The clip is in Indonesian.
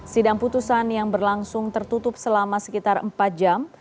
sidang putusan yang berlangsung tertutup selama sekitar empat jam